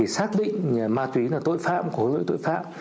xác định ma túy là tội phạm của tội phạm